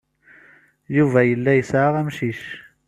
Yuba yella yesɛa amcic.